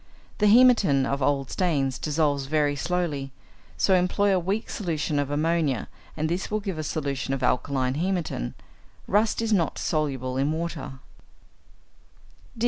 The hæmatin of old stains dissolves very slowly, so employ a weak solution of ammonia, and this will give a solution of alkaline hæmatin. Rust is not soluble in water.